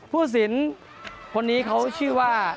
ผู้สินคนนี้เขาชื่อว่า